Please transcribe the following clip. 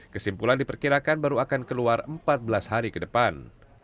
kesimpulan diperkirakan baru akan keluar empat belas hari ke depan